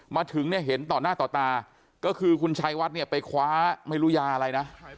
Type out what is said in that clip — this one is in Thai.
มาถึงเนี่ยเห็นต่อหน้าต่อตาก็คือคุณชัยวัดเนี่ยไปคว้าไม่รู้ยาอะไรนะ